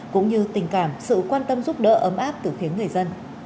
cũng như tình cảm sự quan tâm giúp đỡ ấm áp từ phía người dân